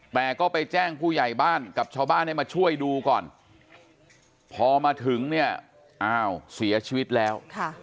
แต่ก็ไปแจ้งผู้ใหญ่บ้านกับชาวบ้านให้มาช่วยดูก่อนพอมาถึงเนี่ยอ้าวเสียชีวิตแล้ว